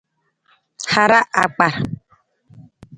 Haraa akpentung.